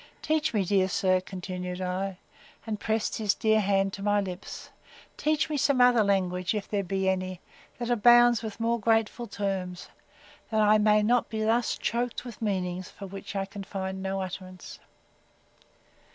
Teach me, dear sir, continued I, and pressed his dear hand to my lips, teach me some other language, if there be any, that abounds with more grateful terms; that I may not thus be choked with meanings, for which I can find no utterance.